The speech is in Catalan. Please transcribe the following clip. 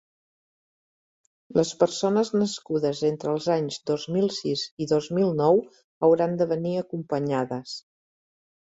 Les persones nascudes entre els anys dos mil sis i dos mil nou hauran de venir acompanyades.